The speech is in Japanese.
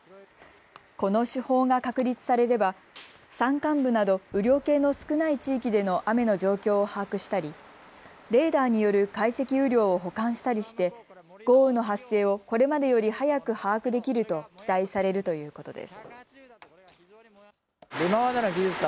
この手法が確立されれば山間部など、雨量計の少ない地域での雨の状況を把握したりレーダーによる解析雨量を補完したりして豪雨の発生をこれまでより早く把握できると期待されるということです。